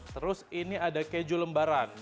terus ini ada keju lembaran